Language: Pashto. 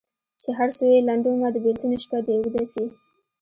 چي هر څو یې لنډومه د بېلتون شپه دي اوږده سي